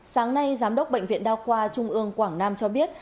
sáng nay giám đốc bệnh viện đa khoa trung ương quảng nam cho biết